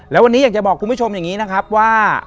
แล้ววันนี้อยากจะบอกคุณผู้ชมอย่างนี้นะครับว่า